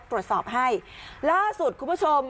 ตรวจสอบให้ล่าสุดคุณผู้ชม